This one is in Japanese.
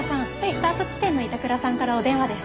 スタート地点の板倉さんからお電話です。